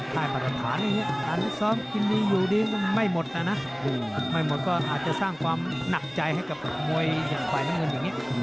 ใต้ปรับฐานอยู่นี่อาจจะสร้างความหนักใจให้กับมวยฝ่ายแดงเงินอย่างนี้